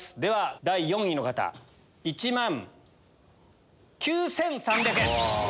第４位の方１万９３００円！